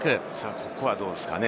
ここは、どうですかね？